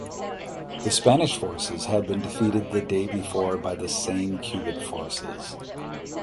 The Spanish forces had been defeated the day before by the same Cuban forces.